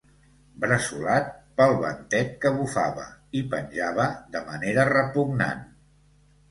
Bressolat pel ventet que bufava, hi penjava de manera repugnant.